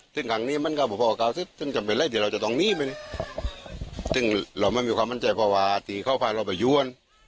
ถี่เข้าฝ่าชูนี่ก็จะอยู่อ่าน